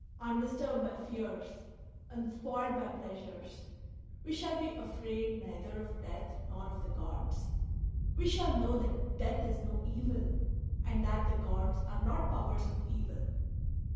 Undisturbed by fears, unspoiled by pleasures, we shall be afraid neither of death nor of the gods; we shall know that death is no evil and that the gods are not powers of evil.